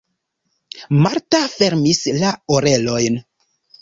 Marta fermis la orelojn.